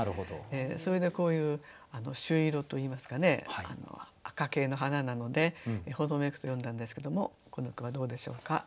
それでこういう朱色といいますかね赤系の花なので「炎めく」と詠んだんですけどもこの句はどうでしょうか？